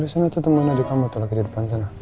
udah sana tuh temen adik kamu tuh lagi di depan sana